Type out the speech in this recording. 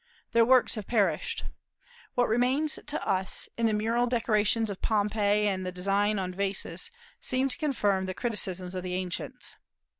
Their works have perished. What remains to us, in the mural decorations of Pompeii and the designs on vases, seem to confirm the criticisms of the ancients.